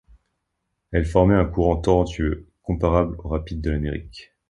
Elles formaient un courant torrentueux, comparable aux rapides de l’Amérique.